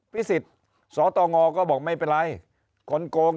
สิทธิ์สตงก็บอกไม่เป็นไรคนโกง